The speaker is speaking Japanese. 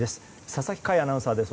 佐々木快アナウンサーです。